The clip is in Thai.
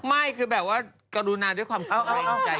ไม่คือแบบว่ากระดูณาด้วยความปลอดคัยใจเอ่ย